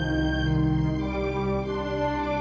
tidak tar aku mau ke rumah